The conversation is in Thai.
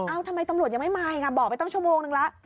อ้าวทำไมตำรวจยังไม่มาอย่างไรบอกไปตั้งชั่วโมงนึงล่ะ